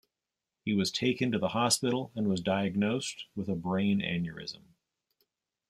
He was taken to the hospital and was diagnosed with a brain aneurysm.